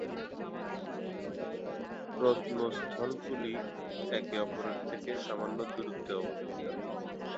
প্রত্নস্থলগুলি একে অপরের থেকে সামান্য দূরত্বে অবস্থিত।